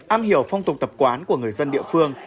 am hiểu phong tục tập quán của người dân địa phương